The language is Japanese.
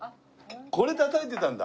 これたたいてたんだ？